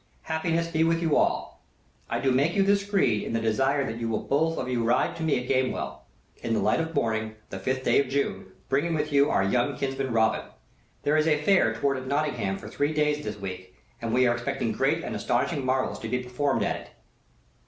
Happiness be with you all. I do make you this screed in the desire that you will both of you ride to me at Gamewell, in the light of to morrow, the fifth day of June, bringing with you our young kinsman Robin. There is a Fair toward at Nottingham for three days of this week, and we are to expect great and astonishing marvels to be performed at it.